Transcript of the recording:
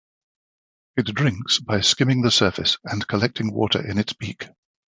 It drinks by skimming the surface and collecting water in its beak.